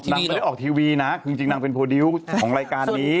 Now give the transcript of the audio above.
นางไม่ได้ออกทีวีนะคือจริงนางเป็นโพดิวต์ของรายการนี้